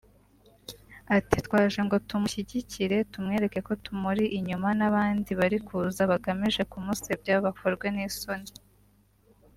Ati “twaje ngo tumushyigikire tumwereke ko tumuri inyuma […] n’ abandi bari kuza bagamije kumusebya bakorwe n’isoni”